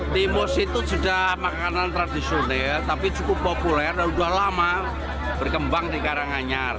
timus itu sudah makanan tradisional tapi cukup populer dan sudah lama berkembang di karanganyar